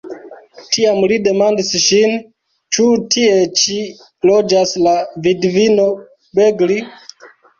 Tiam li demandis ŝin: "Ĉu tie ĉi loĝas la vidvino Begli?"